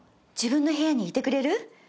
自分の部屋にいてくれる？